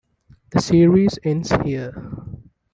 The series ends here.